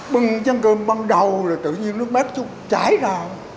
bưng chăn cơm bắt đầu là tự nhiên nước mát chút cháy ra